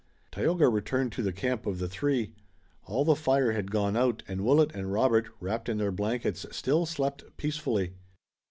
Tayoga returned to the camp of the three. All the fire had gone out, and Willet and Robert, wrapped in their blankets, still slept peacefully.